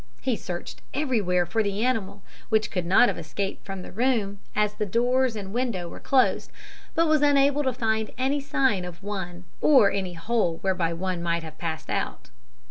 He searched everywhere for the animal, which could not have escaped from the room, as the doors and window were closed, but was unable to find any sign of one or any hole whereby one might have passed out."